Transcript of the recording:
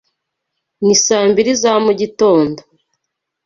Ni saa mbiri za mu gitondo.